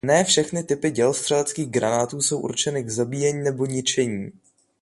Ne všechny typy dělostřeleckých granátů jsou určeny k zabíjení nebo ničení.